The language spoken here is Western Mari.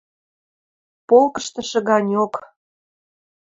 – Полкыштышы ганьок...